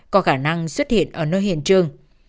có khả năng xuất hiện ở nơi hiện trường